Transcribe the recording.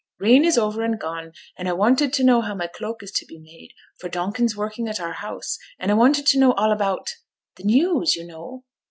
'Rain is over and gone, and I wanted to know how my cloak is to be made; for Donkin 's working at our house, and I wanted to know all about the news, yo' know.'